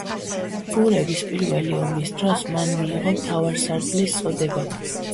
ბურების პირველი ომის დროს მან მიიღო მთავარსარდლის წოდება.